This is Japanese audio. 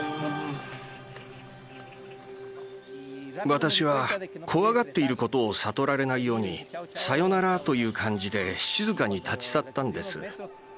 私は怖がっていることを悟られないように「さよなら」という感じで静かに立ち去ったんです。